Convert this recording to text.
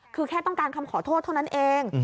คือแค่ต้องการคำขอโทษเท่านั้นเอง